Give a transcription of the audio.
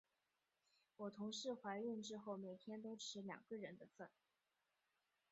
我同事怀孕之后，每天都吃两个人的份。